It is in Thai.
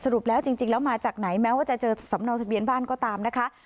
รุปแล้วจริงแล้วมาจากไหนแม้ว่าจะเจอสำเนาทะเบียนบ้านก็ตามนะคะ